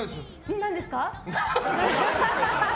何ですか？